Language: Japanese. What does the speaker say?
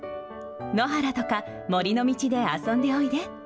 野原とか森の道で遊んでおいで。